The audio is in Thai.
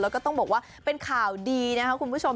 แล้วก็ต้องบอกว่าเป็นข่าวดีนะครับคุณผู้ชม